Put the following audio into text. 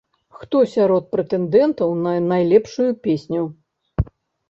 Хто сярод прэтэндэнтаў на найлепшую песню?